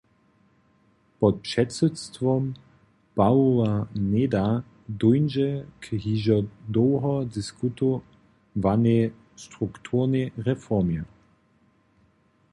Pod předsydstwom Pawoła Neda dóńdźe k hižo dołho diskutowanej strukturnej reformje.